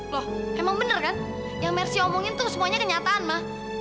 loh emang bener kan yang mercy omongin tuh semuanya kenyataan mah